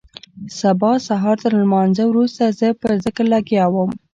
سبا سهارتر لمانځه وروسته زه په ذکر لگيا وم.